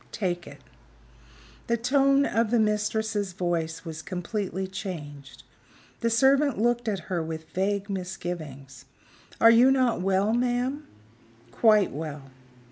"Take it." The tone of the mistress's voice was completely changed. The servant looked at her with vague misgivings. "Are you not well, ma'am?" "Quite well."